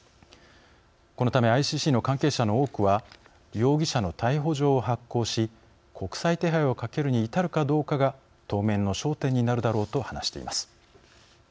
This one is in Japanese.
このためＩＣＣの関係者の多くは容疑者の逮捕状を発行し国際手配をかけるに至るかどうかが当面の焦点になるだろうと話しています。